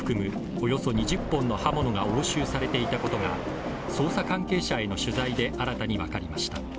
およそ２０本の刃物が押収されていたことが捜査関係者への取材で新たに分かりました。